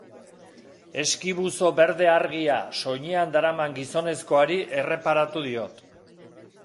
Eski-buzo berde argia soinean daraman gizonezkoari erreparatu diot.